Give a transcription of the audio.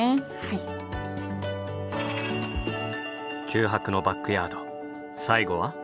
九博のバックヤード最後は？